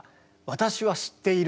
「私は知っている」。